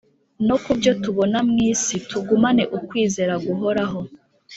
Noku byo tubona mu isi tugumane ukwizera guhoraho